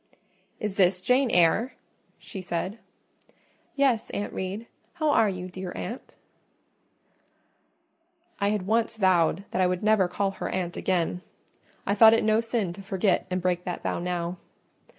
"Is this Jane Eyre?" she said. "Yes, Aunt Reed. How are you, dear aunt?" I had once vowed that I would never call her aunt again: I thought it no sin to forget and break that vow now.